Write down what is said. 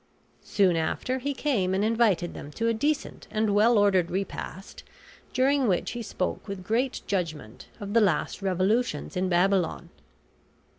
Soon after he came and invited them to a decent and well ordered repast during which he spoke with great judgment of the last revolutions in Babylon.